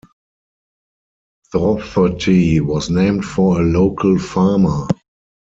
Dougherty was named for a local farmer.